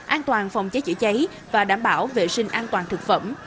an toàn phòng cháy chữa cháy và đảm bảo vệ sinh an toàn thực phẩm